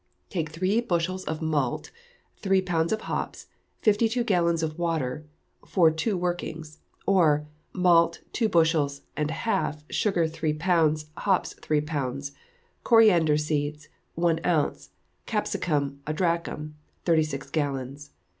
Take three bushels of malt, three pounds of hops, fifty two gallons of water, for two workings. Or, malt, two bushels and a half; sugar, three pounds; hops, three pounds; coriander seeds, one ounce; capsicum, a drachm. Thirty six gallons.